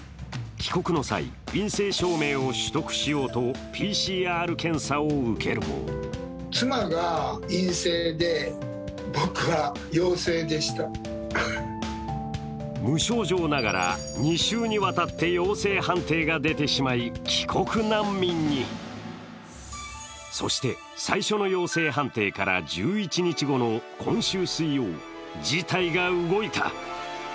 帰国の際、陰性証明を取得しようとＰＣＲ検査を受けるも無症状ながら２週にわたって陽性判定が出てしまい、帰国難民にそして、最初の陽性判定から１１日後の今週水曜、事態が動いた。